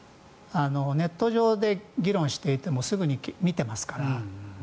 ネット上で議論していてもすぐに見ていますから。